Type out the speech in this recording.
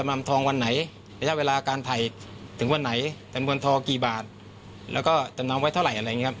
ดันบนทองกี่บาทแล้วก็จำนำไว้เท่าไหร่อะไรอย่างงี้ครับ